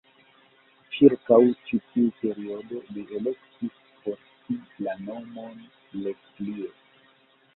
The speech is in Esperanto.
Ĉirkaŭ ĉi tiu periodo li elektis por si la nomon "Leslie".